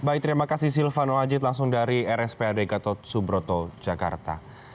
baik terima kasih silvano ajit langsung dari rspad gatot subroto jakarta